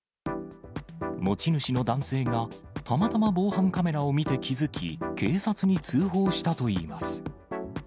持ち主の男性がたまたま防犯カメラを見て気付き、警察に通報したといいます。